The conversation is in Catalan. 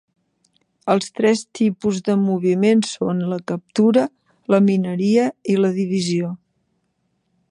Els tres tipus de moviment són la captura, la mineria i la divisió.